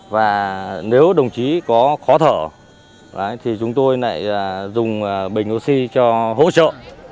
và nếu đồng chí có khó thở thì chúng tôi lại dùng bình oxy cho hỗ trợ